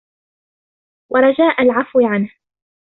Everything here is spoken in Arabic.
وَرَجَاءَ الْعَفْوِ عَنْهُ